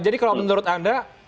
jadi kalau menurut anda